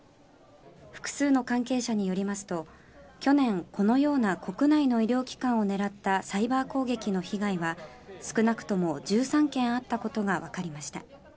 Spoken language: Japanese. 複数の関係者によりますと去年、このような国内の医療機関を狙ったサイバー攻撃の被害は少なくとも１３件あったことがわかりました。